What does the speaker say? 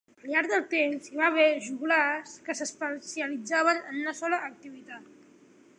Al llarg del temps, hi va haver joglars que s'especialitzaven en una sola activitat.